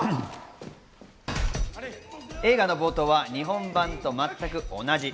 映画の冒頭は日本版と全く同じ。